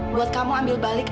buat kamu ambil balik